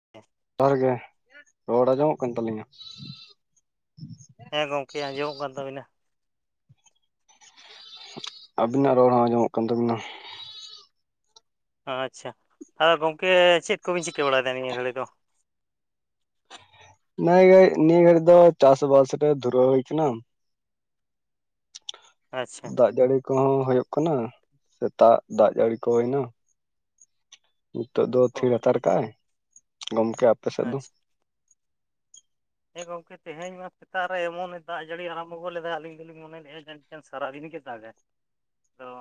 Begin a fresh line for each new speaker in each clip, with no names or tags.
[unintelligible]
ᱡᱚᱦᱟᱨ ᱜᱮ ᱨᱚᱲ ᱟᱸᱡᱚᱢᱚᱜ ᱠᱟᱱ ᱛᱟᱞᱤᱧᱟ
ᱦᱮᱸ ᱜᱚᱢᱠᱮ ᱟᱸᱡᱚᱢᱚᱜ ᱠᱟᱱ ᱛᱟᱵᱤᱱᱟ
ᱟᱵᱤᱱᱟᱜ ᱨᱚᱲ ᱦᱚᱸ ᱟᱸᱡᱚᱢᱚᱜ ᱠᱟᱱ ᱛᱟᱵᱤᱱᱟ
ᱟᱪᱪᱷᱟ ᱟᱨ ᱜᱚᱝᱠᱮ ᱪᱮᱫ ᱠᱚᱵᱤᱱ ᱪᱤᱠᱟᱹ ᱵᱟᱲᱟᱭᱮᱫᱟ ᱱᱤᱭᱟᱹ ᱜᱷᱟᱹᱲᱤᱡ ᱫᱚ
ᱱᱚᱣᱟ ᱤᱛᱟᱹ ᱱᱤᱭᱟᱹ ᱜᱟᱹᱲᱤᱡ ᱫᱚ ᱪᱟᱥ ᱵᱟᱥ ᱨᱮ ᱫᱷᱩᱨᱟᱹᱣ ᱦᱩᱭᱠᱟᱱᱟ᱾
ᱟᱪᱪᱷᱟ
ᱫᱟᱜ ᱡᱟᱹᱲᱤ ᱠᱚᱦᱚᱸ ᱦᱩᱭᱩᱜ ᱠᱟᱱᱟ ᱥᱮᱛᱟᱜ ᱫᱟᱜ ᱡᱟᱹᱲᱤ ᱠᱚ ᱦᱩᱭᱱᱟ ᱱᱤᱛᱚᱜ ᱫᱚ ᱛᱷᱤᱨ
ᱦᱳᱭ
ᱦᱟᱛᱟᱲ ᱠᱟᱜᱼᱟᱭ᱾ ᱜᱚᱢᱠᱮ ᱟᱯᱮ ᱥᱮᱫ ᱫᱚ?
ᱟᱪᱪᱷᱟ ᱦᱮᱸ ᱜᱚᱝᱠᱮ ᱛᱮᱦᱮᱧ ᱢᱟ ᱥᱮᱛᱟᱜ ᱨᱮ ᱮᱢᱚᱱᱮ ᱫᱟᱜ ᱡᱟᱹᱲᱤ ᱟᱨᱟᱢ ᱵᱚ ᱜᱚᱫ ᱞᱮᱫᱟ ᱟᱞᱤᱧ ᱫᱚᱞᱤᱧ ᱢᱚᱱᱮ ᱞᱮᱫᱼᱟ ᱡᱟᱱᱤᱡ ᱛᱮᱦᱮᱧ ᱥᱟᱨᱟ ᱫᱤᱱ ᱜᱮ ᱫᱟᱜᱟᱭᱚ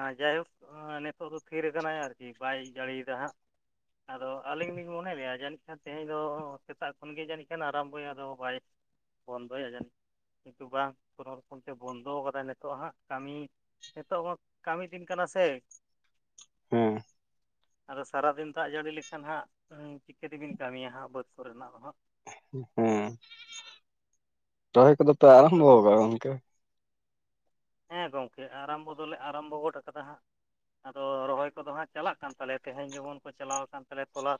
ᱟᱸ ᱡᱟᱭᱦᱳᱠ ᱱᱤᱛᱚᱜ ᱫᱚ ᱛᱷᱤᱨ ᱠᱟᱱᱟᱭ ᱟᱨᱠᱤ ᱵᱟᱭ ᱡᱟᱲᱤᱭᱫᱟ ᱦᱟᱸᱜ ᱟᱫᱚ ᱟᱹᱞᱤᱧ ᱞᱤᱧ ᱢᱚᱱᱮᱞᱮᱜ-ᱟ ᱡᱟᱹᱱᱤᱡ ᱠᱷᱟᱱ ᱛᱮᱦᱮᱧ ᱫᱚ ᱥᱮᱛᱟᱜ ᱠᱷᱚᱱ ᱜᱮ ᱡᱟᱹᱱᱤᱡ [unintelligible] ᱟᱨᱟᱢᱵᱚᱭᱟ ᱟᱫᱚ ᱵᱟᱭ ᱵᱚᱱᱫᱚᱭᱟ ᱡᱟᱱᱤᱡ ᱠᱤᱱᱛᱩ ᱵᱟᱝ ᱠᱳᱱᱳ ᱨᱚᱠᱚᱢ ᱛᱮ ᱵᱚᱱᱫᱚ ᱟᱠᱟᱫᱟᱭ ᱱᱤᱛᱚᱜ ᱦᱟᱸᱜ ᱠᱟᱹᱢᱤ ᱱᱤᱛᱚᱜ ᱢᱟ ᱠᱟᱹᱢᱤ ᱫᱤᱱ ᱠᱟᱱᱟ ᱥᱮ
ᱦᱮᱸ
ᱟᱫᱚ ᱥᱟᱨᱟᱫᱤᱱ ᱫᱟᱜ ᱡᱟᱹᱲᱤ ᱞᱮᱠᱷᱟᱱ ᱦᱟᱸᱜ ᱪᱤᱠᱟᱹᱛᱮᱵᱤᱱ ᱠᱟᱹᱢᱤᱭᱟ ᱦᱟᱸᱜ ᱵᱟᱹᱫᱽ ᱠᱚᱨᱮ ᱱᱟᱜ ᱫᱚ ᱦᱟᱸᱜ
ᱦᱩᱸ ᱨᱚᱭ ᱠᱚᱫᱚ ᱯᱚ ᱟᱨᱟᱢᱵᱽᱚ
ᱟᱫᱚ
ᱟᱠᱟᱫᱟ ᱜᱟᱢᱠᱮ?
ᱦᱮᱸ ᱜᱚᱢᱠᱮ ᱟᱨᱟᱢ ᱵᱚ ᱫᱚᱞᱮ ᱟᱨᱟᱢ ᱵᱚ ᱜᱚᱫ ᱟᱠᱟᱫᱟ ᱦᱟᱸᱜ ᱟᱫᱚ ᱨᱚᱦᱚᱭ ᱠᱚᱫᱚ ᱦᱟᱸᱜ ᱪᱟᱞᱟᱜ ᱠᱟᱱ ᱛᱟᱞᱮᱭᱟ ᱛᱮᱦᱮᱧ ᱡᱮᱢᱚᱱ ᱠᱚ ᱪᱟᱞᱟᱣ ᱟᱠᱟᱱ ᱛᱟᱞᱮᱭᱟ ᱛᱚᱞᱟ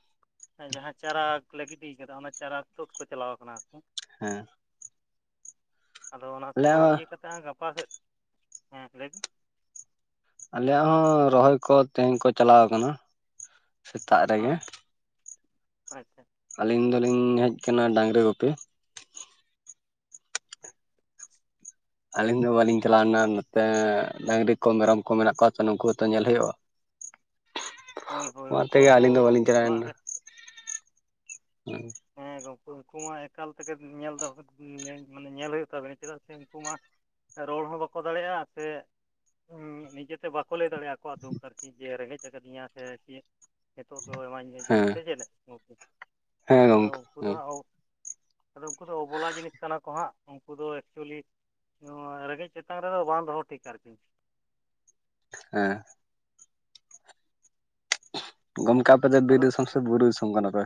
ᱡᱟᱦᱟᱸ ᱪᱟᱨᱟ ᱠᱚᱞᱮ ᱜᱤᱴ ᱟᱠᱟᱫᱟ ᱚᱱᱟ ᱪᱟᱨᱟ ᱛᱳᱫᱚ ᱠᱚ ᱪᱟᱞᱟᱣ ᱟᱠᱟᱱᱟ ᱠᱚ
ᱦᱮᱸ
ᱟᱫᱚ ᱚᱱᱟ ᱠᱚ
ᱟᱞᱮᱭᱟᱜ ᱦᱚᱸ
ᱤᱭᱟᱹ ᱠᱟᱛᱮᱫ ᱦᱟᱸᱜ ᱜᱟᱯᱟ ᱥᱮᱫ ᱦᱮᱸ ᱞᱟᱹᱭᱵᱤᱱ
ᱟᱞᱮᱭᱟᱜ ᱦᱚᱸ ᱨᱚᱦᱚᱭ ᱠᱚ ᱛᱮᱦᱮᱧ ᱠᱚ ᱪᱟᱞᱟᱣ ᱟᱠᱟᱱᱟ ᱥᱮᱛᱟᱜ ᱨᱮᱜᱮ
ᱦᱮᱸ ᱟᱪᱪᱷᱟ
ᱟᱹᱞᱤᱧ ᱫᱚᱞᱤᱧ ᱦᱮᱡ ᱟᱠᱟᱱᱟ ᱰᱟᱝᱨᱤ ᱜᱩᱯᱤ ᱟᱹᱞᱤᱧ ᱫᱚ ᱵᱟᱹᱞᱤᱧ ᱪᱟᱞᱟᱣ ᱞᱮᱱᱟ ᱱᱚᱛᱮ ᱰᱟᱝᱨᱤ ᱠᱚ ᱢᱮᱨᱚᱢ ᱠᱚ ᱢᱮᱱᱟᱜ ᱠᱚᱣᱟ ᱛᱚ ᱱᱩᱠᱩᱦᱚᱛᱚ ᱧᱮᱞ ᱦᱩᱭᱩᱜᱼᱟ᱾
ᱦᱳᱭ ᱦᱳᱭ
ᱚᱱᱟ
ᱩᱱᱠᱩ
ᱛᱮᱜᱮ
ᱦᱚᱸᱛᱚ
ᱟᱹᱞᱤᱧ ᱫᱚ ᱵᱟᱹᱞᱤᱧ ᱪᱟᱞᱟᱣ
ᱚᱲᱟᱜ ᱨᱮ
[inaudible]
ᱦᱮᱸ ᱜᱚᱢᱠᱮ ᱩᱱᱠᱩ ᱢᱟ ᱮᱠᱟᱞ ᱛᱮᱜᱮ ᱧᱮᱞ [unintelligible] ᱢᱟᱱᱮ ᱧᱮᱞ ᱦᱩᱭᱩᱜ ᱛᱟᱵᱤᱱᱟ ᱪᱮᱫᱟᱜ ᱥᱮ ᱩᱱᱠᱩ ᱢᱟ ᱨᱚᱲ ᱦᱚᱸ ᱵᱟᱠᱚ ᱫᱟᱲᱮᱭᱟᱜᱼᱟ ᱥᱮ ᱱᱤᱡᱮᱛᱮ ᱵᱟᱠᱚ ᱞᱟᱹᱭ ᱫᱟᱲᱮᱭᱟᱜᱼᱟ ᱟᱠᱚᱣᱟᱜ ᱫᱩᱠ ᱟᱨᱠᱤ ᱡᱮ ᱨᱮᱸᱜᱮᱡ ᱟᱠᱟᱫᱤᱧᱟ ᱥᱮ ᱪᱮᱫ ᱱᱤᱛᱚᱜ ᱫᱚ ᱮᱢᱟᱧ ᱢᱮ ᱡᱚᱢ ᱥᱮ ᱪᱮᱫ ᱞᱮᱠᱟ ᱜᱚᱢᱠᱮ
ᱦᱮᱸ
ᱟᱫᱚ
ᱜᱚᱝᱠᱮ
ᱩᱱᱠᱩ ᱫᱚ
ᱦᱮᱸ
ᱦᱟᱸᱜ ᱟᱫᱚ ᱩᱱᱠᱩ ᱫᱚ ᱚᱵᱚᱞᱟ ᱡᱤᱱᱤᱥ ᱠᱟᱱᱟ ᱠᱚ ᱦᱟᱸᱜ ᱩᱱᱠᱩ ᱫᱚ ᱮᱠᱪᱩᱭᱮᱞᱤ ᱱᱚᱣᱟ ᱨᱮᱸᱜᱮᱡ ᱛᱮᱛᱟᱧ ᱨᱮᱫᱚ ᱵᱟᱝ ᱫᱚᱦᱚ ᱴᱷᱤᱠ ᱟᱨᱠᱤ
ᱦᱮᱸ ᱜᱚᱢᱠᱮ ᱟᱯᱮ ᱫᱚ ᱵᱤᱨ
ᱟᱫᱚ
ᱫᱤᱥᱚᱢ ᱥᱮ ᱵᱩᱨᱩ ᱫᱤᱥᱚᱢ ᱠᱟᱱᱟᱯᱮ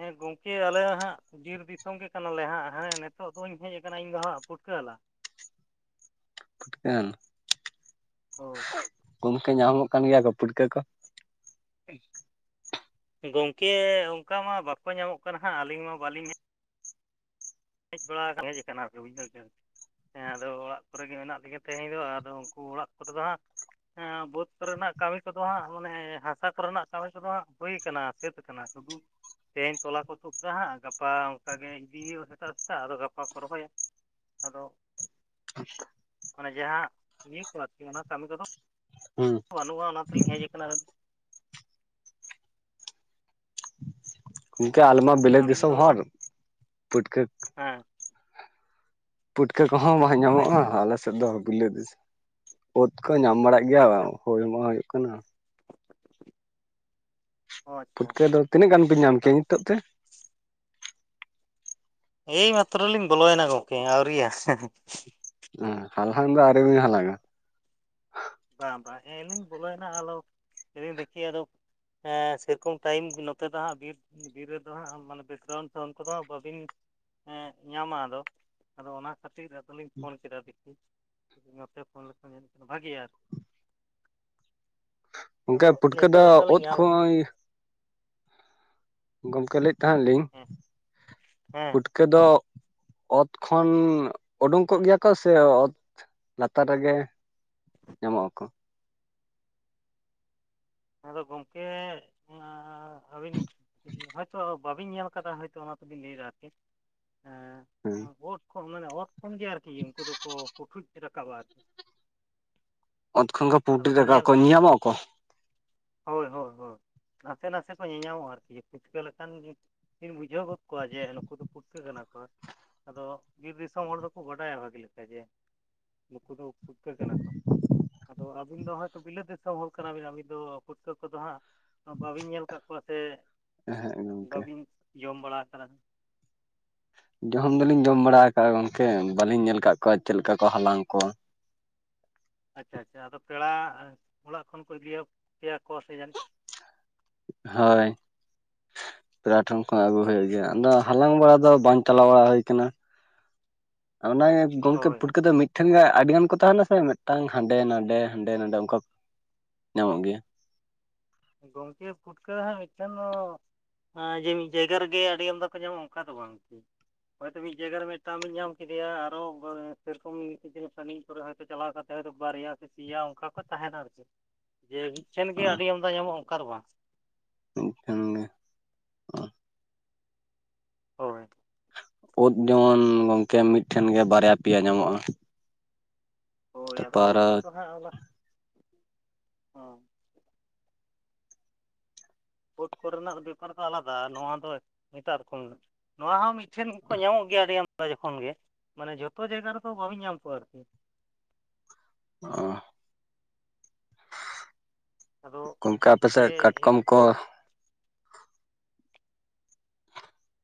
ᱦᱮᱸ ᱜᱚᱝᱠᱮ ᱟᱞᱮ ᱦᱟᱸᱜ ᱵᱤᱨ ᱫᱤᱥᱚᱢ ᱜᱮ ᱠᱟᱱᱟ ᱞᱮ ᱦᱟᱸᱜ ᱦᱮᱸ ᱱᱤᱛᱚᱜ ᱫᱩᱧ ᱦᱮᱡ ᱟᱠᱟᱱᱟ ᱤᱧᱫᱚ ᱦᱟᱸᱜ ᱯᱩᱴᱠᱟᱹ ᱦᱟᱞᱟᱝ
ᱯᱷᱩᱴᱠᱟᱹ
ᱦᱳᱭ
ᱜᱚᱢᱠᱮ ᱧᱟᱢᱚᱜ ᱠᱟᱱ ᱜᱮᱭᱟ ᱠᱚ ᱯᱷᱩᱴᱠᱟᱹ ᱠᱚ
ᱜᱚᱢᱠᱮ ᱚᱱᱠᱟ ᱢᱟ ᱵᱟᱠᱚ ᱧᱟᱢᱚᱜ ᱠᱟᱱᱟ ᱦᱟᱸᱜ ᱟᱹᱞᱤᱧ ᱢᱟ ᱵᱟᱹᱞᱤᱧ ᱦᱮᱡ ᱦᱮᱡ ᱵᱟᱲᱟ ᱦᱮᱡ ᱟᱠᱟᱱᱟ ᱠᱚ ᱵᱩᱡᱷᱟᱹᱣ [unintelligible] ᱥᱮ ᱦᱮᱸ ᱟᱫᱚ ᱚᱲᱟᱜ ᱠᱚᱨᱮ ᱜᱮ ᱢᱮᱱᱟᱜ ᱞᱮᱜᱮ ᱛᱮᱦᱮᱧ ᱫᱚ ᱟᱫᱚ ᱩᱱᱠᱩ ᱚᱲᱟᱜ ᱠᱚᱨᱮ ᱫᱚ ᱦᱟᱸᱜ ᱵᱟᱹᱫᱽ ᱠᱚᱨᱮᱱᱟᱜ ᱠᱟᱹᱢᱤ ᱠᱚᱫᱚ ᱦᱟᱸᱜ ᱢᱟᱱᱮ ᱦᱟᱥᱟ ᱠᱚᱨᱮᱱᱟᱜ ᱠᱟᱹᱢᱤ ᱠᱚᱫᱚ ᱦᱟᱸᱜ ᱦᱩᱭ ᱠᱟᱱᱟ ᱥᱟᱹᱛ ᱟᱠᱟᱱᱟ ᱥᱩᱫᱩ ᱛᱮᱦᱮᱧ ᱛᱚᱞᱟ ᱠᱚ ᱛᱩᱫ ᱠᱟᱜᱼᱟ ᱦᱟᱸᱜ ᱜᱟᱯᱟ ᱚᱱᱠᱟ ᱜᱮ ᱤᱫᱤ ᱦᱩᱭᱩᱜᱼᱟ ᱥᱮᱛᱟᱜ ᱥᱮᱛᱟᱜ ᱟᱫᱚ ᱜᱟᱯᱟ ᱠᱚ ᱨᱚᱦᱚᱭᱟ ᱟᱫᱚ ᱢᱟᱱᱮ ᱡᱟᱦᱟᱸ ᱤᱭᱟᱹ ᱠᱚ ᱟᱨᱠᱤ ᱚᱱᱟ ᱠᱟᱹᱢᱤ ᱠᱚᱫᱚ
ᱦᱩᱸ
ᱵᱟᱹᱱᱩᱜᱼᱟ ᱚᱱᱟ ᱛᱮᱞᱤᱧ ᱦᱮᱡ ᱟᱠᱟᱱᱟ
ᱜᱚᱢᱠᱮ
ᱟᱫᱚ
ᱟᱞᱮ ᱢᱟ ᱵᱤᱞᱟᱹᱛ
ᱟᱹᱵᱤᱱ
ᱫᱤᱥᱚᱢ
ᱫᱚ
ᱦᱚᱲ ᱯᱩᱴᱠᱟᱹ
ᱦᱮᱸ
ᱯᱩᱴᱠᱟᱹ ᱠᱚᱦᱚᱸ ᱵᱟᱝ
ᱦᱮᱸ ᱞᱟᱹᱭ ᱵᱤᱱ
ᱧᱟᱢᱚᱜᱼᱟ ᱟᱞᱮ ᱥᱮᱫ ᱫᱚ ᱵᱤᱞᱟᱹᱛ ᱫᱤᱥᱼᱼ ᱩᱫ ᱠᱚ ᱧᱟᱢ ᱵᱟᱲᱟᱜ
ᱚ
ᱜᱮᱭᱟ
ᱟᱪᱪᱷᱟ
ᱵᱟᱝ ᱦᱳᱭ ᱢᱟ ᱦᱩᱭᱩᱜ ᱠᱟᱱᱟ
ᱚ ᱟᱪᱪᱷᱟ
ᱯᱩᱴᱠᱟᱹ ᱫᱚ ᱛᱤᱱᱟᱹᱜ ᱜᱟᱱ ᱯᱮ ᱧᱟᱢ ᱠᱮᱜᱼᱟ
ᱟᱫᱚ
ᱱᱤᱛᱳᱜ ᱛᱮ
ᱮᱭ ᱢᱟᱛᱨᱚ ᱞᱤᱧ ᱵᱚᱞᱚᱭᱮᱱᱟ ᱜᱚᱢᱠᱮ ᱟᱹᱣᱨᱤᱭᱟ
ᱚᱸ ᱦᱟᱞᱦᱟᱝ ᱫᱚ ᱟᱹᱣᱨᱤ ᱵᱤᱱ ᱦᱟᱞᱟᱝᱼᱟ
ᱵᱟᱝ ᱵᱟᱝ ᱮᱭ ᱞᱤᱧ ᱵᱚᱞᱚᱭᱮᱱᱟ ᱟᱞᱚ ᱞᱟᱹᱭᱫᱤᱧ ᱫᱮᱠᱷᱤ ᱟᱞᱚ ᱦᱮᱸ ᱥᱮᱨᱚᱠᱚᱢ ᱴᱟᱭᱤᱢ ᱱᱚᱛᱮ ᱫᱚ ᱦᱟᱸᱜ ᱵᱤᱨ ᱵᱤᱨ ᱨᱮᱫᱚ ᱦᱟᱸᱜ ᱢᱟᱱᱮ ᱵᱤᱠᱨᱚᱱᱛ ᱥᱟᱶᱩᱱ ᱠᱚᱫᱚ ᱵᱟᱹᱵᱤᱱ ᱮᱸᱻ ᱧᱟᱢᱟ ᱟᱫᱚ ᱟᱫᱚ ᱚᱱᱟ ᱠᱷᱟᱹᱛᱤᱨ ᱟᱫᱚᱞᱤᱧ ᱯᱷᱳᱱ ᱠᱮᱫᱟ ᱫᱮᱠᱷᱤ ᱱᱚᱛᱮ ᱯᱷᱳᱱ ᱞᱮᱠᱷᱟᱱ ᱡᱟᱹᱱᱤᱡ ᱠᱷᱟᱱ ᱵᱷᱟᱹᱜᱤᱭᱟ ᱟᱨᱠᱤ
ᱜᱚᱝᱠᱮ
ᱟᱫᱚ
ᱯᱩᱴᱠᱟᱹ
ᱱᱤᱛᱚᱜ
ᱫᱚ
ᱢᱤᱫᱴᱟᱝ ᱞᱤᱧ
ᱚᱛ
ᱧᱟᱢ
ᱠᱷᱚᱱ ᱜᱚᱝᱠᱮ ᱞᱟᱹᱭᱮᱜ ᱛᱟᱦᱮᱜ ᱞᱤᱧ
ᱦᱮᱸ ᱦᱮᱸ
ᱯᱩᱴᱼᱼ ᱠᱟᱹ ᱫᱚ ᱚᱛ ᱠᱷᱚᱱ ᱩᱰᱩᱝ ᱠᱚᱜ ᱜᱮᱭᱟᱠᱚ ᱥᱮ ᱚᱛ ᱞᱟᱛᱟᱨ ᱨᱮᱜᱮ ᱧᱟᱢᱚᱜ ᱟᱠᱚ
ᱟᱫᱚ ᱜᱚᱝᱠᱮ ᱟᱹᱵᱤᱱᱻ ᱦᱚᱭᱛᱚ ᱵᱟᱹᱵᱤᱱ ᱧᱮᱞ ᱟᱠᱟᱫᱟ ᱦᱚᱭᱛᱚ ᱚᱱᱟ ᱛᱮᱵᱤᱱ ᱞᱟᱹᱭ ᱮᱫᱟ ᱟᱨᱠᱤ
ᱦᱮᱸ
ᱚᱛ ᱠᱷᱚᱱ ᱢᱟᱱᱮ ᱚᱛ ᱠᱷᱚᱱ ᱜᱮ ᱟᱨᱠᱤ ᱩᱱᱠᱩ ᱫᱚᱠᱚ ᱯᱩᱴᱷᱩᱡ ᱨᱟᱠᱟᱵᱼᱟ ᱟᱨᱠᱤ
ᱚᱛ ᱠᱷᱚᱱ ᱜᱮ
ᱟᱫᱚ
ᱯᱩᱴᱤ
ᱠᱚ
ᱨᱟᱠᱟᱵ
ᱧᱮᱞ
ᱟᱠᱚ ᱧᱮᱧᱟᱢᱚᱜᱼᱟᱠᱚ
ᱦᱳᱭ ᱦᱳᱭ ᱦᱳᱭ ᱱᱟᱥᱮ ᱱᱟᱥᱮ ᱠᱚ ᱧᱮᱧᱟᱢᱚᱜᱼᱟ ᱟᱨᱠᱤ ᱯᱩᱴᱠᱟᱹ ᱞᱮᱠᱟᱱ ᱜᱮᱢ ᱵᱩᱡᱷᱟᱹᱣ ᱜᱚᱫ ᱠᱚᱣᱟ ᱡᱮ ᱱᱩᱠᱩ ᱫᱚ ᱯᱩᱴᱠᱟᱹ ᱠᱟᱱᱟ ᱠᱚ ᱟᱫᱚ ᱵᱤᱨ ᱫᱤᱥᱚᱢ ᱦᱚᱲ ᱫᱚᱠᱚ ᱵᱟᱰᱟᱭᱟ ᱵᱷᱟᱹᱜᱤ ᱞᱮᱠᱟ ᱡᱮ ᱱᱩᱠᱩ ᱫᱚ ᱯᱩᱴᱠᱟᱹ ᱠᱟᱱᱟ ᱠᱚ ᱟᱫᱚ ᱟᱹᱵᱤᱱ ᱫᱚ ᱦᱚᱭᱛᱳ ᱵᱤᱞᱟᱹᱛ ᱫᱤᱥᱚᱢ ᱦᱚᱲ ᱠᱟᱱᱟᱵᱤᱱ ᱟᱹᱵᱤᱱ ᱫᱚ ᱯᱩᱴᱠᱟᱹ ᱠᱚᱫᱚ ᱦᱟᱸᱜ ᱵᱟᱹᱵᱤᱱ ᱧᱮᱞ ᱟᱠᱟᱫ ᱠᱚᱣᱟ ᱥᱮ
ᱮᱦᱮᱸᱜ ᱜᱚᱝᱠᱮ
ᱵᱟᱹᱵᱤᱱ ᱡᱚᱢ ᱵᱟᱲᱟ ᱟᱠᱟᱫᱟ
ᱡᱚᱢ ᱫᱚᱞᱤᱧ ᱡᱚᱢ ᱵᱟᱲᱟ ᱟᱠᱟᱜᱼᱟ ᱜᱚᱝᱠᱮ ᱵᱟᱹᱞᱤᱧ ᱧᱮᱞ ᱟᱠᱟᱫ ᱠᱚᱣᱟ ᱪᱮᱫ ᱞᱮᱠᱟ ᱠᱚ ᱦᱟᱞᱟᱝ ᱠᱚᱣᱟ
ᱟᱪᱪᱷᱟ ᱟᱪᱪᱷᱟ ᱟᱫᱚ ᱯᱮᱲᱟ ᱚᱲᱟᱜ ᱠᱷᱚᱱ ᱠᱚ ᱤᱫᱤᱭᱟᱯᱮᱭᱟ ᱠᱚ ᱥᱮ ᱡᱟᱹᱱᱤᱡ
ᱦᱳᱭ ᱯᱮᱲᱟ ᱴᱷᱮᱱ ᱠᱷᱚᱱ ᱟᱹᱜᱩ ᱦᱩᱭᱩᱜ ᱜᱮᱭᱟ ᱟᱫᱚ ᱦᱟᱞᱟᱝ ᱵᱟᱲᱟ ᱫᱚ ᱵᱟᱝ ᱪᱟᱞᱟᱣ ᱵᱟᱲᱟ ᱦᱩᱭ ᱟᱠᱟᱱᱟ ᱚᱱᱮ ᱜᱚᱝᱠᱮ
ᱦᱳᱭ ᱦᱳᱭ
ᱯᱩᱴᱠᱟᱹ ᱫᱚ ᱢᱤᱫ ᱴᱷᱮᱱ ᱜᱮ ᱟᱹᱰᱤ ᱜᱟᱱ ᱠᱚ ᱛᱟᱦᱮᱱᱟ ᱥᱮ ᱢᱤᱫᱴᱟᱹᱝ ᱦᱟᱸᱰᱮ ᱱᱟᱰᱮ ᱦᱟᱸᱰᱮ ᱱᱟᱰᱮ ᱚᱱᱠᱟ ᱧᱟᱢᱚᱜ ᱜᱮᱭᱟ
ᱜᱚᱢᱠᱮ ᱯᱩᱴᱠᱟᱹ ᱫᱚ ᱦᱟᱸᱜ ᱢᱤᱫᱴᱮᱱ ᱫᱚ ᱡᱮ ᱢᱤᱫ ᱡᱟᱭᱜᱟ ᱨᱮᱜᱮ ᱟᱹᱰᱤ ᱟᱢᱫᱟ ᱠᱚ ᱧᱟᱢᱚᱜᱼᱟ ᱚᱱᱠᱟ ᱫᱚ ᱵᱟᱝ ᱦᱳᱭᱛᱚ ᱢᱤᱫ ᱡᱟᱭᱜᱟ ᱨᱮ ᱢᱤᱫᱴᱟᱹᱝ ᱵᱤᱱ ᱧᱟᱢ ᱠᱮᱫᱮᱭᱟ ᱟᱨᱦᱚᱸ ᱚᱱᱠᱟ ᱥᱮᱨᱚᱠᱚᱢ ᱛᱤᱱᱟᱹᱜ ᱥᱟᱺᱜᱤᱧ ᱛᱟ ᱯᱚᱨᱮ ᱦᱚᱭᱛᱚ ᱪᱟᱞᱟᱣ ᱠᱟᱛᱮ ᱵᱟᱨᱭᱟ ᱥᱮ ᱯᱮᱭᱟ ᱚᱱᱠᱟ ᱠᱚ ᱛᱟᱦᱮᱱᱟ ᱟᱨᱠᱤ ᱡᱮ ᱪᱮ ᱞᱟᱹᱜᱤᱫ ᱟᱹᱰᱤ ᱟᱢᱫᱟ ᱧᱟᱢᱚᱜᱼᱟ ᱚᱱᱠᱟ ᱫᱚ ᱵᱟᱝ
ᱢᱤᱫ ᱴᱟᱱ ᱜᱮ
ᱦᱳᱭ
ᱩᱫᱽ ᱡᱮᱢᱚᱱ ᱜᱚᱝᱠᱮ ᱢᱤᱫᱴᱷᱮᱱ ᱜᱮ ᱵᱟᱨᱭᱟ ᱯᱮᱭᱟ ᱧᱟᱢᱚᱜᱼᱟ
ᱦᱳᱭ ᱟᱫᱚ
ᱛᱟᱯᱚᱨ
ᱳᱫ ᱠᱚᱫᱚ ᱦᱟᱸᱜ ᱦᱮ ᱳᱫ ᱠᱚᱨᱮᱱᱟᱜ ᱵᱮᱯᱟᱨ ᱫᱚ ᱟᱞᱟᱫᱟ ᱟᱨ ᱱᱚᱣᱟ ᱫᱚ ᱮᱴᱟᱜ ᱨᱚᱠᱚᱢ ᱱᱚᱣᱟ ᱦᱚᱸ ᱢᱤᱫᱴᱷᱮᱱ ᱠᱚ ᱧᱟᱢᱚᱜ ᱜᱮᱭᱟ ᱟᱹᱰᱤ ᱟᱢᱫᱟ ᱡᱚᱠᱷᱚᱱ ᱜᱮ ᱢᱟᱱᱮ ᱡᱷᱚᱛᱚ ᱡᱟᱭᱜᱟ ᱨᱮᱫᱚ ᱵᱟᱵᱤᱱ ᱧᱟᱢ ᱠᱚᱣᱟ ᱟᱨᱠᱤ
ᱚᱦ
ᱟᱫᱚ
ᱜᱚᱝᱠᱮ
ᱡᱮ
ᱟᱯᱮᱥᱮᱫ ᱠᱟᱴᱠᱚᱢ ᱠᱚ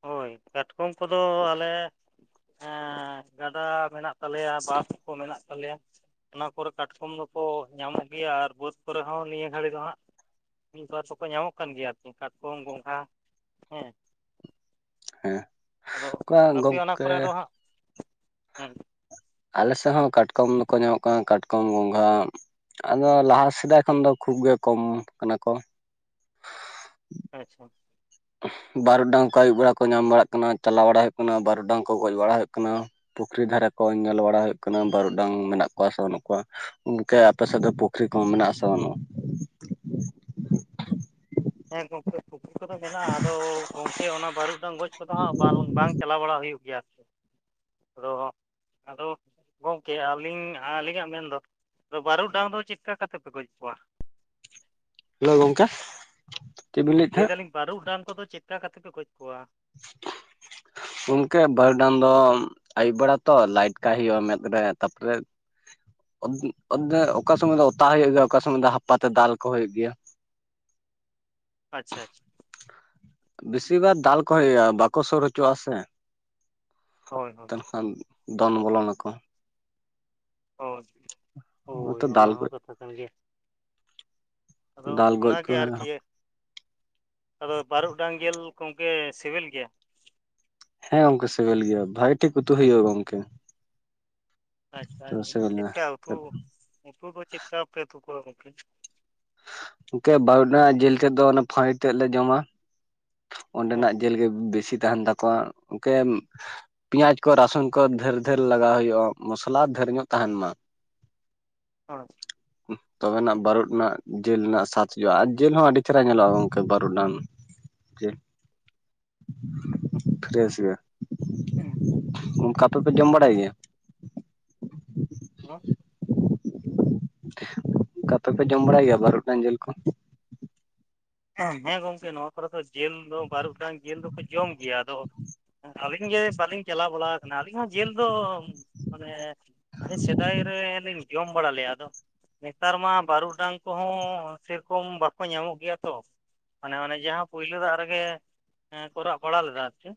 ᱦᱳᱭ ᱠᱟᱴᱠᱚᱢ ᱠᱚᱫᱚ ᱟᱞᱮ ᱦᱮᱸ ᱜᱟᱰᱟ ᱢᱮᱱᱟᱜ ᱛᱟᱞᱮᱭᱟ ᱵᱟᱸᱫᱷ ᱠᱚ ᱢᱮᱱᱟᱜ ᱛᱟᱞᱮᱭᱟ ᱚᱱᱟ ᱠᱚᱨᱮ ᱠᱟᱴᱠᱚᱢ ᱫᱚᱠᱚ ᱧᱟᱢᱚᱜ ᱜᱮᱭᱟ ᱟᱨ ᱵᱟᱹᱫᱽ ᱠᱚᱨᱮ ᱦᱚᱸ ᱱᱤᱭᱟᱹ ᱜᱷᱟᱹᱲᱤᱡ ᱫᱚ ᱦᱟᱸᱜ ᱢᱤᱫ ᱵᱟᱨ ᱫᱚᱠᱚ ᱧᱟᱢᱚᱜ ᱠᱟᱱ ᱜᱮᱭᱟ ᱟᱨᱠᱤ ᱠᱟᱴᱠᱚᱢ ᱜᱚᱸᱜᱷᱟ ᱦᱮᱸ
ᱦᱮᱸ
ᱟᱫᱚ
ᱚᱠᱟ
ᱟᱯᱮ ᱚᱱᱟ
ᱜᱚᱝᱠᱮ
ᱠᱚᱨᱮ ᱫᱚ ᱦᱟᱸᱜ
ᱟᱞᱮ ᱥᱮᱫ ᱦᱚᱸ ᱠᱟᱴᱠᱚᱢ ᱫᱚᱠᱚ ᱧᱟᱢᱚᱜ ᱠᱟᱱᱟ ᱠᱟᱴᱠᱚᱢ ᱜᱚᱸᱜᱷᱟ ᱟᱫᱚ ᱞᱟᱦᱟ ᱥᱮᱫᱟᱭ ᱠᱷᱚᱱ ᱫᱚ ᱠᱷᱩᱵ ᱜᱮ ᱠᱚᱢ ᱠᱟᱱᱟ ᱠᱚ
ᱟᱪᱪᱷᱟ
ᱵᱟᱨᱩᱰᱟᱝ ᱠᱚ ᱟᱹᱭᱩᱵ ᱵᱮᱲᱟ ᱠᱚ ᱧᱟᱢ ᱵᱟᱲᱟᱜ ᱠᱟᱱᱟ ᱪᱟᱞᱟᱣ ᱵᱟᱲᱟ ᱦᱩᱭᱩᱜ ᱠᱟᱱᱟ ᱵᱟᱨᱩᱰᱟᱝ ᱠᱚ ᱜᱚᱡ ᱵᱟᱲᱟ ᱦᱩᱭᱩᱜ ᱠᱟᱱᱟ ᱯᱩᱠᱷᱨᱤ ᱫᱷᱟᱨᱮ ᱠᱚ ᱧᱮᱞ ᱵᱟᱲᱟ ᱦᱩᱭᱩᱜ ᱠᱟᱱᱟ ᱵᱟᱹᱨᱩ ᱰᱟᱝ ᱢᱮᱱᱟᱜ ᱠᱚᱣᱟ ᱥᱮ ᱵᱟᱹᱱᱩᱜ ᱠᱚᱣᱟ ᱜᱚᱝᱠᱮ ᱟᱯᱮ ᱥᱮᱫ ᱫᱚ ᱯᱩᱠᱷᱨᱤ ᱠᱚᱦᱚᱸ ᱢᱮᱱᱟᱜ ᱟᱥᱮ ᱵᱟᱹᱱᱩᱜᱼᱟ?
ᱦᱮᱸ ᱜᱚᱝᱠᱮ ᱯᱩᱠᱷᱨᱤ ᱠᱚᱫᱚ ᱢᱮᱱᱟᱜᱼᱟ, ᱟᱫᱚ ᱜᱚᱝᱠᱮ ᱚᱱᱟ ᱵᱟᱹᱨᱩ ᱰᱟᱝ ᱜᱚᱡ ᱠᱚᱫᱚ ᱦᱟᱸᱜ ᱵᱟᱝ ᱵᱟᱝ ᱪᱟᱞᱟᱣ ᱵᱟᱲᱟ ᱦᱩᱭᱩᱜ ᱜᱮᱭᱟ ᱟᱨᱠᱤ ᱾ ᱟᱫᱚ ᱟᱫᱚ ᱜᱚᱝᱠᱮ ᱟᱹᱞᱤᱧ ᱟᱹᱞᱤᱧᱟᱜ ᱢᱮᱱᱫᱚ ᱵᱟᱹᱨᱩᱰᱟᱝ ᱫᱚ ᱪᱮᱫᱠᱟ ᱠᱟᱛᱮ ᱯᱮ ᱜᱚᱡ ᱠᱚᱣᱟ?
ᱦᱮᱞᱳ ᱜᱚᱝᱠᱮ ᱾
ᱞᱟᱹᱭᱮᱫᱟᱞᱤᱧ, ᱵᱟᱹᱨᱩᱰᱟᱝ ᱠᱚᱫᱚ ᱪᱮᱫ ᱞᱮᱠᱟ ᱠᱟᱛᱮ ᱯᱮ ᱜᱚᱡ ᱠᱚᱣᱟ?
[inaudible] ᱜᱚᱝᱠᱮ ᱵᱟᱨᱰᱟᱝ ᱫᱚ ᱟᱭᱩᱵ ᱵᱮᱲᱟ ᱛᱚ ᱞᱟᱭᱤᱴ ᱠᱟᱭ ᱦᱩᱭᱩᱜᱼᱟ ᱢᱮᱫ ᱨᱮ, ᱛᱟᱯᱚᱨᱮ ᱚᱠᱟ ᱥᱚᱢᱚᱭ ᱫᱚ ᱚᱛᱟ ᱦᱩᱭᱩᱜ ᱜᱮᱭᱟ, ᱚᱠᱟ ᱥᱚᱢᱚᱭ ᱫᱚ ᱦᱟᱯᱟᱛᱮ ᱫᱟᱞ ᱠᱚ ᱦᱩᱭᱩᱜ ᱜᱮᱭᱟ ᱾
ᱟᱪᱪᱷᱟ ᱟᱪᱪᱷᱟ ᱾
ᱵᱮᱥᱤᱨ ᱵᱷᱟᱜ ᱫᱟᱞ ᱠᱚ ᱦᱩᱭᱩᱜᱼᱟ, ᱵᱟᱠᱚ ᱥᱩᱨ ᱦᱚᱪᱚᱜ ᱟ ᱥᱮ
ᱦᱳᱭ
᱾
ᱦᱳᱭ
ᱛᱚᱠᱷᱚᱱ ᱫᱚᱱ ᱵᱚᱞᱚᱱ ᱟᱠᱚ ᱾
ᱦᱳᱭ, ᱦᱳᱭ
ᱛᱚ
ᱚᱱᱟ
ᱫᱟᱞ
ᱦᱚᱸ
ᱜᱚᱡ
ᱠᱟᱛᱷᱟ ᱠᱟᱱ ᱜᱮᱭᱟ ᱾ ᱟᱫᱚ
ᱫᱟᱞ ᱜᱚᱡ ᱠᱚ
ᱚᱱᱟᱜᱮ ᱟᱨᱠᱤ
ᱦᱮᱸ
ᱟᱫᱚ ᱵᱟᱨᱩᱜ ᱰᱟᱝ ᱡᱤᱞ ᱜᱚᱝᱠᱮ ᱥᱤᱵᱤᱞ ᱜᱮᱭᱟ?
ᱦᱮᱸ ᱜᱚᱝᱠᱮ ᱥᱤᱵᱤᱞ ᱜᱮᱭᱟ ᱾ ᱵᱷᱟᱜᱮ ᱴᱷᱤᱠ ᱩᱛᱩ ᱦᱩᱭᱩᱜᱼᱟ ᱜᱚᱝᱠᱮ ᱾
ᱟᱪᱪᱷᱟ ᱾
ᱥᱤᱵᱤᱞᱟ
ᱪᱮᱫᱠᱟ ᱩᱛᱩ ᱩᱛᱩ ᱫᱚ ᱪᱮᱫ ᱥᱟᱶ ᱯᱮ ᱩᱛᱩ ᱠᱚᱣᱟ ᱜᱚᱝᱠᱮ?
ᱜᱚᱝᱠᱮ ᱵᱟᱨᱩᱰᱟᱝ ᱡᱤᱞ ᱛᱮᱫ ᱫᱚ ᱚᱱᱟ ᱯᱷᱟᱹᱲᱤ ᱛᱮᱫ ᱞᱮ ᱡᱚᱢᱟ ᱾ ᱚᱸᱰᱮᱱᱟᱜ
ᱟᱪᱪᱷᱟ
ᱡᱤᱞ ᱜᱮ ᱵᱮᱥᱤ ᱛᱟᱦᱮᱱ ᱛᱟᱠᱚᱣᱟ ᱜᱚᱝᱠᱮ ᱾ ᱯᱮᱸᱭᱟᱡ ᱠᱚ ᱨᱟᱥᱩᱱ ᱠᱚ ᱰᱷᱮᱨ ᱰᱷᱮᱨ ᱞᱟᱜᱟᱣ ᱦᱩᱭᱩᱜᱼᱟ ᱢᱚᱥᱞᱟ ᱰᱷᱮᱨ ᱧᱚᱜ ᱛᱟᱦᱮᱱ ᱢᱟ ᱾
ᱦᱚ
ᱛᱚᱵᱮᱱᱟᱜ ᱵᱟᱹᱨᱩ ᱱᱟᱜ ᱡᱤᱞ ᱨᱮᱱᱟᱜ ᱥᱟᱫ ᱦᱩᱭᱩᱜᱼᱟ ᱟᱨ ᱡᱤᱞ ᱦᱚᱸ ᱟᱹᱰᱤ ᱪᱮᱦᱨᱟ ᱧᱮᱞᱚᱜᱼᱟ ᱜᱚᱝᱠᱮ ᱾ ᱵᱟᱨᱩᱰᱟᱝ ᱡᱮ ᱯᱷᱨᱮᱥ ᱜᱮᱭᱟ ᱚᱱᱠᱟ ᱛᱚᱯᱮ ᱡᱚᱢ ᱵᱟᱲᱟᱭ ᱜᱮᱭᱟ?
ᱦᱮᱞᱳ
ᱚᱱᱠᱟ ᱛᱮ ᱯᱮ ᱡᱚᱢ ᱵᱟᱲᱟᱭ ᱜᱮᱭᱟ ᱵᱟᱨᱩᱰᱟᱝ ᱡᱤᱞ ᱠᱚ?
ᱦᱮᱸ ᱜᱚᱝᱠᱮ, ᱱᱚᱣᱟ ᱠᱚᱨᱮ ᱫᱚ ᱡᱤᱞ ᱫᱚ ᱵᱟᱨᱩᱰᱟᱝ ᱡᱤᱞ ᱫᱚᱠᱚ ᱡᱚᱢ ᱜᱮᱭᱟ ᱾ ᱟᱫᱚ ᱟᱹᱞᱤᱧ ᱜᱮ ᱵᱟᱹᱞᱤᱧ ᱪᱟᱞᱟᱣ ᱵᱟᱲᱟ ᱟᱠᱟᱱᱟ, ᱟᱹᱞᱤᱧ ᱦᱚᱸ ᱡᱮᱞ ᱫᱚ ᱢᱟᱱᱮ ᱥᱮᱫᱟᱭ ᱨᱮ ᱞᱤᱧ ᱡᱚᱢ ᱵᱟᱲᱟ ᱞᱮᱫᱟ ᱟᱫᱚ, ᱱᱮᱛᱟᱨ ᱢᱟ ᱵᱟᱹᱨᱩᱰᱟᱝ ᱠᱚᱦᱚᱸ ᱥᱮᱨᱚᱠᱚᱢ ᱵᱟᱠᱚ ᱧᱟᱢᱚᱜ ᱜᱮᱭᱟ ᱾ ᱛᱚ ᱢᱟᱱᱮ ᱚᱱᱮ ᱡᱟᱦᱟᱸ ᱯᱳᱭᱞᱳ ᱫᱟᱜ ᱨᱮᱜᱮ ᱠᱚ ᱨᱟᱜ ᱵᱟᱲᱟ ᱞᱮᱫᱟ ᱟᱨᱠᱤ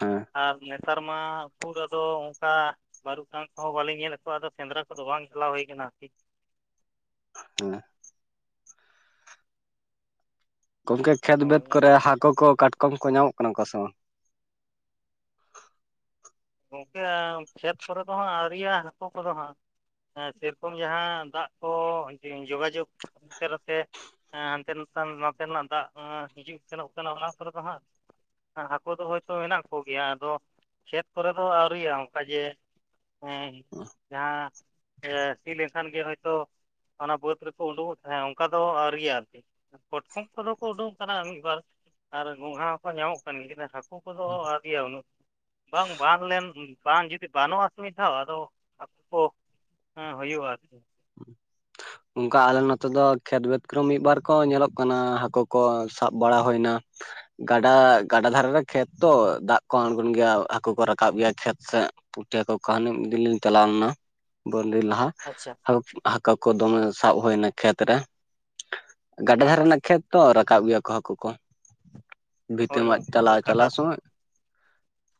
ᱦᱮᱸ
ᱟᱨ ᱱᱮᱛᱟᱨ ᱢᱟ ᱩᱠᱩᱨ ᱟᱫᱚ ᱚᱱᱠᱟ ᱾ ᱵᱟᱹᱨᱩᱰᱟᱝ ᱠᱚᱦᱚᱸ ᱵᱟᱹᱞᱤᱧ ᱧᱮᱞ ᱮᱫ ᱠᱚᱣᱟ ᱟᱫᱚ ᱥᱮᱸᱫᱽᱨᱟ ᱠᱚᱫᱚ ᱵᱟᱝ ᱪᱟᱞᱟᱣ ᱦᱩᱭ ᱟᱠᱟᱱᱟ ᱟᱨᱠᱤ ᱾
ᱦᱮᱸ ᱾ ᱜᱚᱝᱠᱮ ᱠᱷᱮᱛ
ᱦᱳᱭ
ᱵᱟᱹᱫᱽ ᱠᱚᱨᱮ
ᱟᱫᱚ
ᱦᱟᱹᱠᱩ ᱠᱚ, ᱠᱟᱴᱠᱚᱢ ᱠᱚ ᱧᱟᱢᱚᱜ ᱠᱟᱱᱟ ᱠᱚ ᱥᱮ ᱵᱟᱝ?
ᱜᱚᱝᱠᱮ ᱠᱷᱮᱛ ᱠᱚᱨᱮ ᱫᱚ ᱦᱟᱸᱜ ᱟᱹᱣᱨᱤᱭᱟ ᱦᱟᱹᱠᱩ ᱠᱚᱫᱚ ᱦᱟᱸᱜ ᱾ ᱦᱮᱸ, ᱥᱮᱨᱚᱠᱚᱢ ᱡᱟᱦᱟᱸ ᱫᱟᱜ ᱠᱚ ᱡᱳᱜᱟᱡᱳᱜᱽ ᱩᱥᱟᱹᱨᱟᱛᱮ ᱦᱮᱸ ᱦᱟᱱᱛᱮ ᱱᱟᱛᱮ ᱱᱚᱛᱮ ᱱᱟᱜ ᱫᱟᱜ ᱦᱤᱡᱩᱜ ᱥᱮᱱᱚᱜ ᱠᱟᱱᱟ ᱚᱱᱟ ᱠᱚᱨᱮ ᱫᱚ ᱦᱟᱸᱜ ᱦᱟᱹᱠᱩ ᱫᱚ ᱦᱚᱭᱛᱳ ᱢᱮᱱᱟᱜ ᱠᱚ ᱜᱮᱭᱟ ᱾ ᱟᱫᱚ, ᱠᱷᱮᱛ ᱠᱚᱨᱮ ᱫᱚ ᱟᱹᱣᱨᱤᱭᱟ ᱚᱱᱠᱟ ᱡᱮ ᱦᱮᱸ ᱡᱟᱦᱟᱸ ᱥᱤ ᱞᱮᱱᱠᱷᱟᱱ ᱜᱮ ᱦᱚᱭᱛᱳ ᱚᱱᱟ ᱵᱟᱹᱫᱽ ᱨᱮᱠᱚ ᱩᱰᱩᱠᱚᱜ ᱛᱟᱦᱮᱸ ᱚᱱᱠᱟ ᱫᱚ ᱟᱹᱣᱨᱤᱭᱟ ᱟᱨᱠᱤ ᱾ ᱠᱟᱴᱠᱚᱢ ᱠᱚᱫᱚ ᱠᱚ ᱩᱰᱩᱠ ᱠᱟᱱᱟ ᱢᱤᱫᱵᱟᱨ ᱟᱨ ᱜᱚᱝᱜᱷᱟ ᱦᱚᱸᱠᱚ ᱧᱟᱢᱚᱜ ᱠᱟᱱ ᱜᱮ ᱦᱟᱹᱠᱩ ᱦᱟᱹᱠᱩ ᱠᱚᱫᱚ ᱟᱹᱣᱨᱤᱭ ᱜᱮᱭᱟ ᱩᱱᱟᱹᱜ ᱾ ᱵᱟᱝ ᱵᱟᱱ ᱞᱮᱱ ᱵᱟᱝ ᱡᱩᱫᱤ ᱵᱟᱱᱚᱜᱼᱟ ᱥᱮ ᱢᱤᱫ ᱫᱷᱟᱣ ᱟᱫᱚ ᱦᱟᱹᱠᱩ ᱠᱚ ᱦᱮᱸ, ᱦᱩᱭᱩᱜᱼᱟ ᱟᱨᱠᱤ ᱾
ᱚᱱᱠᱟ ᱟᱞᱮ ᱱᱚᱛᱮ ᱫᱚ ᱠᱷᱮᱛ ᱵᱟᱹᱫᱽ ᱠᱚᱨᱮ ᱢᱤᱫᱵᱟᱨ ᱠᱚ ᱧᱮᱞᱚᱜ ᱠᱟᱱᱟ ᱦᱟᱹᱠᱩ ᱠᱚ ᱥᱟᱵ ᱵᱟᱲᱟ ᱦᱩᱭ ᱮᱱᱟ ᱾ ᱜᱟᱰᱟ ᱜᱟᱰᱟ ᱫᱷᱟᱨᱮ ᱨᱮ ᱠᱷᱮᱛ ᱛᱚ ᱫᱟᱜ ᱠᱚ ᱟᱬᱜᱚᱱ ᱜᱮᱭᱟ ᱦᱟᱹᱠᱩ ᱠᱚ ᱨᱟᱠᱟᱵ ᱜᱮᱭᱟ ᱠᱷᱮᱛ ᱥᱮᱫ ᱾ ᱯᱩᱴᱷᱤ ᱦᱟᱠᱚ ᱦᱟᱹᱱᱤ ᱢᱤᱫ ᱫᱤᱱ ᱞᱤᱧ ᱪᱟᱞᱟᱣ ᱞᱮᱱᱟ ᱵᱟᱨ ᱫᱤᱱ ᱞᱟᱦᱟ ᱾
ᱟᱪᱪᱷᱟ
ᱦᱟᱹᱠᱩ ᱠᱚ ᱫᱚᱢᱮ ᱥᱟᱵ ᱦᱩᱭ ᱮᱱᱟ ᱠᱷᱮᱛ ᱨᱮ ᱜᱟᱰᱟ
ᱦᱚᱸ
ᱫᱷᱟᱨᱮ ᱨᱮᱱᱟᱜ ᱠᱷᱮᱛ ᱾ ᱛᱚ ᱨᱟᱠᱟᱵ ᱜᱮᱭᱟ ᱠᱚ ᱦᱟᱹᱠᱩ ᱠᱚ
ᱦᱳᱭ
ᱵᱷᱤᱛᱟᱹᱢᱟᱜ
ᱜᱚᱝᱠᱮ ᱟᱫᱚ
ᱪᱟᱞᱟᱣ
ᱜᱟᱰᱟ
ᱪᱟᱞᱟᱣ ᱥᱚᱢᱚᱡ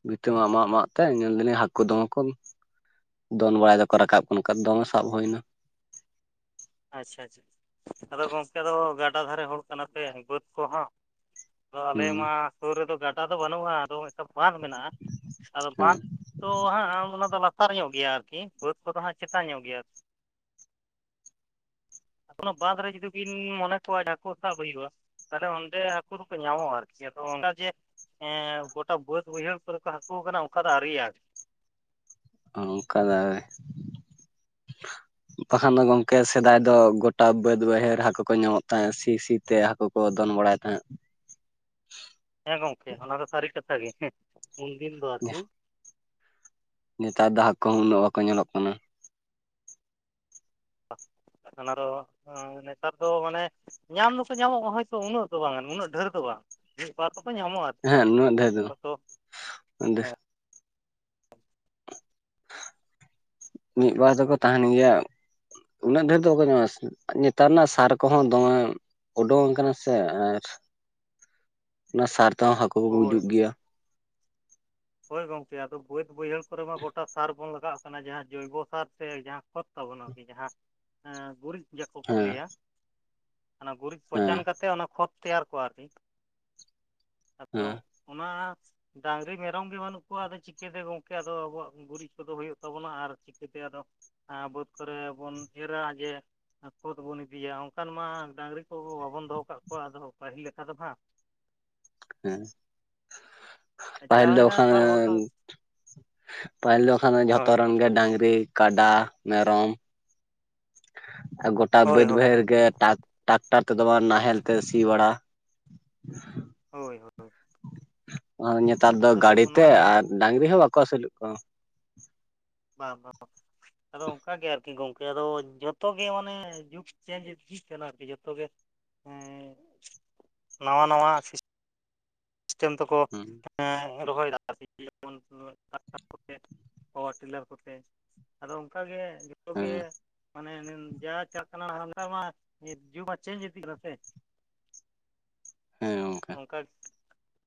ᱵᱷᱤᱛᱟᱹ ᱢᱟ ᱢᱟᱜ ᱢᱟᱜ ᱛᱮ ᱧᱮᱞ ᱮᱫᱟᱞᱤᱧ ᱦᱟᱹᱠᱩ ᱫᱚᱢᱮ ᱠᱚ ᱫᱚᱱ ᱵᱟᱲᱟᱭ ᱮᱫᱟᱠᱚ ᱨᱟᱠᱟᱵ ᱠᱟᱱᱟᱠᱚ ᱫᱚᱢᱮ ᱥᱟᱵ ᱦᱩᱭᱱᱟ
ᱟᱪᱪᱷᱟ ᱟᱪᱪᱷᱟ ᱟᱫᱚ ᱜᱚᱝᱠᱮ ᱫᱚ ᱜᱟᱰᱟ ᱫᱷᱟᱨᱮ ᱦᱚᱲ ᱠᱟᱱᱟ ᱯᱮ ᱵᱟᱹᱫᱽ ᱠᱚᱦᱚᱸ ᱟᱫᱚ ᱟᱞᱮ
ᱦᱩᱸ
ᱢᱟ ᱥᱳᱨ ᱨᱮᱫᱚ ᱜᱟᱰᱟ ᱫᱚ ᱵᱟᱹᱱᱩᱜ-ᱟ ᱟᱫᱚ ᱢᱤᱫᱴᱟᱝ ᱵᱟᱸᱫᱷ ᱢᱮᱱᱟᱜ-ᱟ ᱟᱫᱚ
ᱦᱮᱸ
ᱵᱟᱸᱫᱷ ᱛᱚ ᱦᱟᱸᱜ ᱚᱱᱟ ᱫᱚ ᱞᱟᱛᱟᱨ ᱧᱚᱜ ᱜᱮᱭᱟ ᱟᱨᱠᱤ ᱵᱟᱹᱫᱽ ᱠᱚᱫᱚ ᱦᱟᱸᱜ ᱪᱮᱛᱟᱱ ᱧᱚᱜ ᱜᱮᱭᱟ ᱚᱱᱟ ᱵᱟᱸᱫᱽ ᱨᱮ ᱡᱩᱫᱤ ᱵᱤᱱ ᱢᱚᱱᱮ ᱠᱚᱣᱟ ᱦᱟᱹᱠᱩ ᱥᱟᱵ ᱦᱩᱭᱩᱜ-ᱟ ᱛᱟᱞᱦᱮ ᱚᱸᱰᱮ ᱦᱟᱹᱠᱩ ᱫᱚᱠᱚ ᱧᱟᱢᱚᱜ-ᱟ ᱟᱨᱠᱤ ᱟᱫᱚ ᱚᱱᱮ ᱡᱮ ᱮᱸ ᱜᱚᱴᱟ ᱵᱟᱹᱫ ᱵᱟᱹᱭᱦᱟᱹᱲ ᱠᱚᱨᱮ ᱠᱚ ᱦᱟᱹᱠᱩ ᱟᱠᱟᱱᱟ ᱚᱱᱠᱟ ᱫᱚ ᱟᱨᱤᱭᱟ
ᱚᱝᱠᱟ ᱫᱚ ᱵᱟᱠᱷᱟᱱ ᱫᱚ ᱜᱚᱝᱠᱮ ᱥᱮᱫᱟᱭ ᱫᱚ ᱜᱚᱴᱟ ᱵᱟᱹᱫ ᱵᱟᱹᱭᱦᱟᱹᱲ ᱦᱟᱹᱠᱩ ᱠᱚ ᱧᱟᱢᱚᱜ ᱛᱟᱦᱮᱸ ᱥᱤ ᱥᱤ ᱛᱮ ᱦᱟᱹᱠᱩ ᱠᱚ ᱫᱚᱱ ᱵᱟᱲᱟᱭ ᱛᱟᱦᱮᱸᱜ
ᱦᱮᱸ ᱜᱚᱝᱠᱮ ᱚᱱᱟ ᱫᱚ ᱥᱟᱹᱨᱤ ᱠᱟᱛᱷᱟ ᱜᱮ ᱩᱱᱫᱤᱱ ᱫᱚ ᱟᱨᱠᱤ
ᱱᱮᱛᱟᱨ ᱫᱚ ᱦᱟᱠᱩ ᱦᱚᱸ ᱩᱱᱟᱹᱜ ᱵᱟᱠᱚ ᱧᱮᱞᱚᱜ ᱠᱟᱱᱟ
ᱵᱟᱠᱦᱟᱱ ᱟᱨᱚ ᱱᱮᱛᱟᱨ ᱫᱚ ᱢᱟᱱᱮ ᱧᱟᱢ ᱫᱚᱠᱚ ᱧᱟᱢᱚᱜ-ᱟ ᱦᱳᱭᱛᱳ ᱩᱱᱟᱹᱜ ᱫᱚ ᱵᱟᱝ ᱩᱱᱟᱹᱜ ᱰᱷᱮᱨ ᱫᱚ ᱵᱟᱝ ᱢᱤᱫ ᱵᱟᱨ ᱫᱚᱠᱚ ᱧᱟᱢᱚᱜ-ᱟ
ᱦᱮᱸ ᱱᱩᱱᱟᱹᱜ ᱰᱷᱮᱨ ᱫᱚ
[unintelligible]
ᱢᱤᱫ ᱵᱟᱨ ᱫᱚᱠᱚ ᱛᱟᱦᱮᱱ ᱜᱮᱭᱟ ᱩᱱᱟᱹᱜ ᱰᱷᱮᱨ ᱫᱚ ᱵᱟᱠᱚ ᱧᱟᱢᱚᱜ-ᱟ ᱥᱮ ᱱᱮᱛᱟᱨ ᱨᱮᱱᱟᱜ ᱥᱟᱨ ᱠᱚᱦᱚᱸ ᱫᱚᱢᱮ ᱩᱰᱩᱝ ᱟᱠᱟᱱᱟ ᱥᱮ ᱟᱨ ᱚᱱᱟ ᱥᱟᱨ ᱛᱮᱦᱚᱸ ᱦᱟᱹᱠᱩ ᱠᱚᱠᱚ
ᱦᱳᱭ
ᱜᱩᱡᱩᱜ ᱜᱮᱭᱟ
ᱦᱳᱭ ᱜᱚᱝᱠᱮ ᱟᱫᱚ ᱵᱟᱹᱫ ᱵᱟᱹᱭᱦᱟᱹᱲ ᱠᱚᱨᱮ ᱢᱟ ᱜᱚᱴᱟ ᱥᱟᱨ ᱵᱚᱱ ᱞᱟᱜᱟᱣᱟᱜ ᱠᱟᱱᱟ ᱡᱟᱦᱟᱸ ᱡᱳᱭᱵᱚᱥᱟᱨ ᱥᱮ ᱡᱟᱦᱟᱸ ᱠᱷᱚᱛ ᱛᱟᱵᱚᱱ ᱟᱨᱠᱤ ᱡᱟᱦᱟᱸ ᱜᱩᱨᱤᱡ ᱡᱟᱯᱩᱫ ᱠᱚ
ᱦᱮᱸ
ᱞᱟᱹᱭᱟ ᱚᱱᱟ ᱜᱩᱨᱤᱡ
ᱦᱮᱸ
ᱯᱚᱪᱟᱱ ᱠᱟ ᱛᱮ ᱚᱱᱟ ᱠᱷᱚᱛ ᱛᱮᱭᱟᱨ ᱠᱚᱣᱟ ᱟᱨᱠᱤ ᱟᱫᱚ
ᱦᱮᱸ
ᱚᱱᱟ ᱰᱟᱝᱨᱤ ᱢᱮᱨᱚᱢ ᱢᱮᱨᱚᱢ ᱜᱮ ᱵᱟᱹᱱᱩᱜ ᱠᱚᱣᱟ ᱟᱫᱚ ᱪᱤᱠᱟᱹᱛᱮ ᱜᱚᱝᱠᱮ ᱟᱫᱚ ᱟᱵᱚᱣᱟᱜ ᱜᱩᱨᱤᱡ ᱠᱚᱫᱚ ᱦᱩᱭᱩᱜ ᱛᱟᱵᱚᱱᱟ ᱟᱨ ᱪᱤᱠᱟᱹᱛᱮ ᱟᱫᱚ ᱵᱟᱹᱫᱽ ᱠᱚᱨᱮ ᱵᱚᱱ ᱮᱨᱟ ᱡᱮ ᱠᱷᱚᱛ ᱵᱚᱱ ᱤᱫᱤᱭᱟ ᱚᱱᱠᱟᱱ ᱢᱟ ᱰᱟᱝᱨᱤ ᱠᱚ ᱵᱟᱵᱚᱱ ᱫᱚᱦᱚ ᱟᱠᱟᱜ ᱠᱚᱣᱟ ᱟᱫᱚ ᱯᱟᱹᱦᱤᱞ ᱞᱮᱠᱟ ᱫᱚ ᱦᱟᱜ
ᱦᱮᱸ
ᱡᱟ
ᱯᱟᱹᱦᱤᱞ ᱫᱚ
ᱦᱩᱭᱱᱟ
ᱵᱟᱠᱷᱟᱱ
ᱥᱟᱨ ᱵᱷᱚᱨᱥᱟ
ᱯᱟᱦᱤᱞ ᱫᱚ ᱵᱟᱠᱷᱟᱱ ᱡᱷᱚᱛᱚ
ᱦᱳᱭ
ᱨᱮᱱ ᱜᱮ ᱰᱟᱝᱨᱤ ᱠᱟᱰᱟ ᱢᱮᱨᱚᱢ ᱟᱨ ᱜᱚᱴᱟ
ᱦᱳᱭ
ᱵᱟᱹᱫᱽ
ᱦᱳᱭ
ᱵᱟᱹᱭᱦᱟᱹᱲ
ᱦᱳᱭ
ᱜᱮ ᱴᱟᱠ ᱴᱟᱠᱴᱟᱨ ᱛᱮᱫᱚ ᱵᱟᱝ ᱱᱟᱦᱮᱞ ᱛᱮ ᱥᱤ ᱵᱟᱲᱟ
ᱦᱳᱭ ᱦᱳᱭ
ᱧᱮᱛᱟᱨ ᱫᱚ
ᱟᱫᱚ
ᱜᱟᱹᱰᱤ ᱛᱮ
ᱚᱱᱟᱜᱮ
ᱟᱨ ᱰᱟᱝᱨᱤ ᱦᱚᱸ ᱵᱟᱠᱚ ᱟᱹᱥᱩᱞᱮᱜ ᱠᱚ
ᱵᱟᱝ ᱵᱟᱝ ᱟᱫᱚ ᱚᱝᱠᱟ ᱜᱮ ᱟᱨᱠᱤ ᱜᱚᱝᱠᱮ ᱟᱫᱚ ᱡᱷᱚᱛᱚ ᱜᱮ ᱢᱟᱱᱮ ᱡᱩᱠ ᱪᱮᱧᱡᱽ ᱤᱫᱤᱜ ᱠᱟᱱᱟ ᱟᱨᱠᱤ ᱡᱚᱛᱚ ᱜᱮ ᱮᱸ ᱱᱟᱣᱟ ᱱᱟᱣᱟ ᱥᱤ ᱥᱤᱥᱴᱟᱢ ᱛᱟᱠᱚ
ᱦᱮᱸ
ᱦᱮᱸ ᱨᱚᱦᱚᱭ ᱫᱟ ᱠᱚ ᱥᱮ ᱪᱮᱫ ᱡᱮᱢᱚᱱ [unintelligible] ᱯᱟᱣᱟᱨ ᱴᱤᱞᱟᱨ ᱠᱚᱛᱮ ᱟᱫᱚ ᱚᱝᱠᱟ ᱜᱮ ᱛᱚᱜᱮ
ᱦᱮᱸ
ᱢᱟᱱᱮᱱ ᱡᱟ ᱪᱟᱞᱟᱜ ᱠᱟᱱᱟ ᱦᱟᱸᱰᱮ ᱢᱟ ᱡᱩᱜᱽ ᱢᱟ ᱪᱮᱧᱡᱽ ᱤᱫᱤᱜ ᱠᱟᱱᱟ ᱥᱮ
ᱦᱮᱸ ᱚᱝᱠᱟ
ᱠᱟᱡ